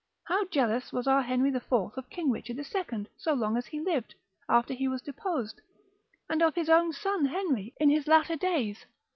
How jealous was our Henry the Fourth of King Richard the Second, so long as he lived, after he was deposed? and of his own son Henry in his latter days?